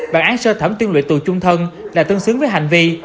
bản án sơ thẩm tuyên luyện tù trung thân là tương xứng với hành vi